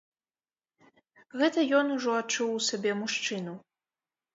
Гэта ён ужо адчуў у сабе мужчыну.